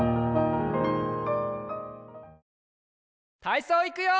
たいそういくよ！